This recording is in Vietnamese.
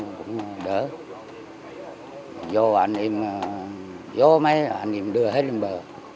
vô mấy anh em đưa hết lên bờ vô anh em vô mấy anh em đưa hết lên bờ